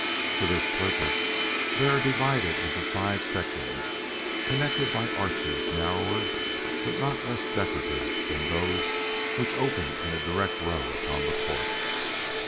For this purpose they are each divided into five sections connected by arches narrower but not less decorative than those which open in a direct row upon the court.